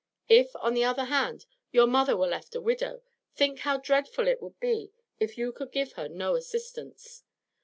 If, on the other hand, your mother were left a widow, think how dreadful it would be if you could give her no assistance.